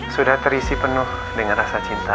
sudah terisi penuh dengan rasa cinta